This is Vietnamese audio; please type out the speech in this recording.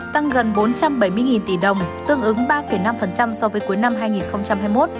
tăng gần bốn trăm bảy mươi tỷ đồng tương ứng ba năm so với cuối năm hai nghìn hai mươi một